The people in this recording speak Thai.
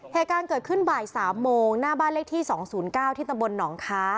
แห่งการเกิดขึ้นบ่ายสามโมงหน้าบ้านเลขที่สองศูนย์เก้าที่ตำบลหนองค้า